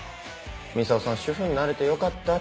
操さん主婦になれてよかったって。